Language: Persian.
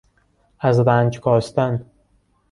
از رنج کاستن